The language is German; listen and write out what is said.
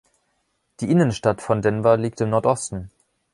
Die Innenstadt von Denver liegt im Nordosten.